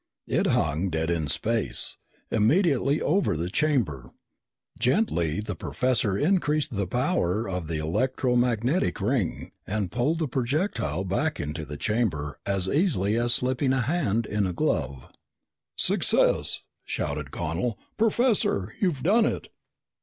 It hung dead in space, immediately over the chamber. Gently the professor increased the power of the electro magnetic ring and pulled the projectile back into the chamber as easily as slipping a hand in a glove. "Success!" Connel shouted. "Professor, you've done it!"